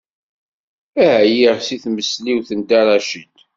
Ɛyiɣ seg tmesliwt n Dda Racid.